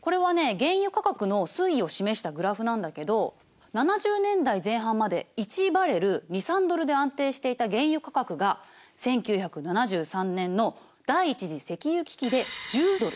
原油価格の推移を示したグラフなんだけど７０年代前半まで１バレル２３ドルで安定していた原油価格が１９７３年の第１次石油危機で１０ドル。